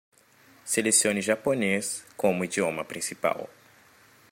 Selecione japonês como idioma principal.